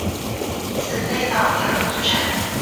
姊妹岛联合组成。